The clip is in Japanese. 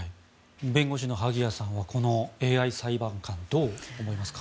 弁護士の萩谷さんはこのＡＩ裁判官どう思いますか。